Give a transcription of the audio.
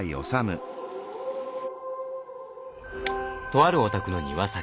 とあるお宅の庭先。